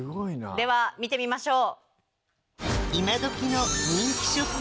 では見てみましょう。